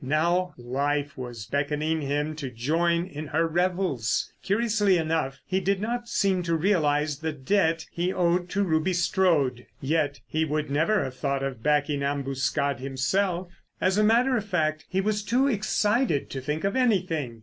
Now life was beckoning him to join in her revels. Curiously enough, he did not seem to realise the debt he owed to Ruby Strode: yet he would never have thought of backing Ambuscade himself. As a matter of fact, he was too excited to think of anything.